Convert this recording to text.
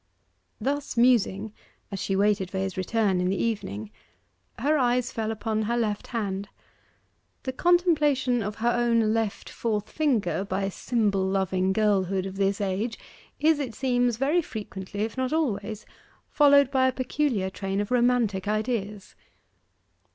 Thus musing, as she waited for his return in the evening, her eyes fell on her left hand. The contemplation of her own left fourth finger by symbol loving girlhood of this age is, it seems, very frequently, if not always, followed by a peculiar train of romantic ideas.